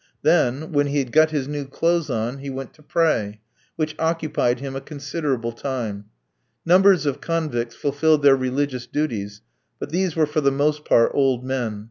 Then, when he had got his new clothes on, he went to pray, which occupied him a considerable time. Numbers of convicts fulfilled their religious duties, but these were for the most part old men.